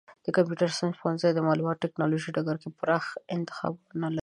د کمپیوټر ساینس پوهنځی د معلوماتي ټکنالوژۍ په ډګر کې پراخه انتخابونه لري.